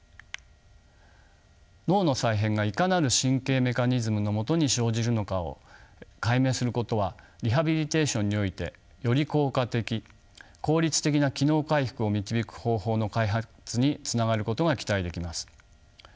脳の再編がいかなる神経メカニズムのもとに生じるのかを解明することはリハビリテーションにおいてより効果的効率的な機能回復を導く方法の開発につながることが期待できます。